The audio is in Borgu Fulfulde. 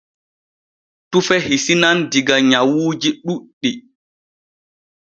Tufe hisinan diga nyawuuji ɗuuɗɗi.